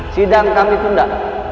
sidang kami tunda